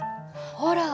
ほら！